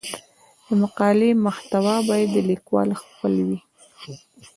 د مقالې محتوا باید د لیکوال خپل وي.